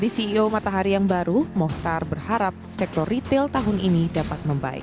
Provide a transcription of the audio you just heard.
di ceo matahari yang baru mohtar berharap sektor retail tahun ini dapat membaik